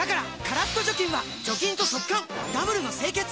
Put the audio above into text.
カラッと除菌は除菌と速乾ダブルの清潔！